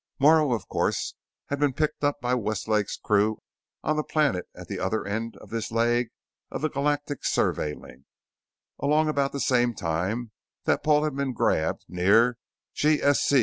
Morrow, of course, had been picked up by Westlake's crew on the planet at the other end of this leg of the Galactic Survey Link, along about the same time that Paul had been grabbed near G.S.C.